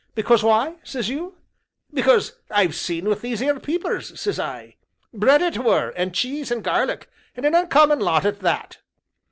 Because why, says you? Because I've seen with these 'ere 'peepers,' says I bread it were, and cheese, and garlic, and a uncommon lot at that."